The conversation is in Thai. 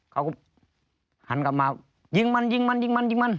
เขาก็หันกลับมายิงมันยิงมันยิงมันยิงมัน